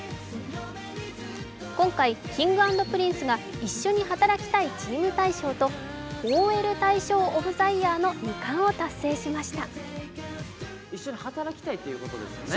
今回、Ｋｉｎｇ＆Ｐｒｉｎｃｅが一緒に働きたいチーム大賞とＯＬ大賞ｏｆｔｈｅｙｅａｒの２冠を達成しました。